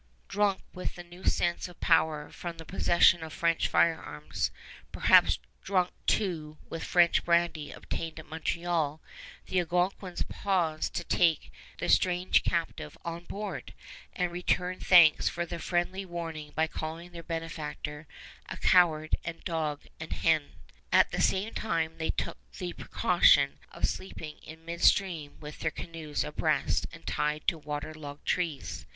Drunk with the new sense of power from the possession of French firearms, perhaps drunk too with French brandy obtained at Montreal, the Algonquins paused to take the strange captive on board, and returned thanks for the friendly warning by calling their benefactor a "coward and a dog and a hen." At the same time they took the precaution of sleeping in mid stream with their canoes abreast tied to water logged trees.